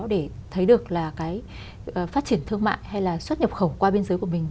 để thấy được là cái phát triển thương mại hay là xuất nhập khẩu qua biên giới của mình